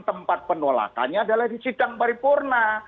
tempat penolakannya adalah di sidang paripurna